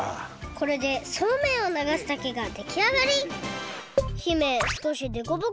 これでそうめんをながす竹ができあがり！